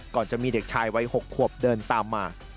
ก่อนจะมีเด็กชายวัย๖ขวบเดินตามมา